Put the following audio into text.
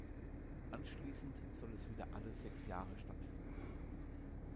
Anschliessend soll es wieder alle sechs Jahre stattfinden.